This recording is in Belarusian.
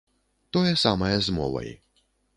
Тое самае з мовай.